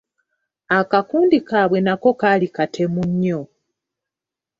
Akakundi kaabwe nako kaali katemu nnyo.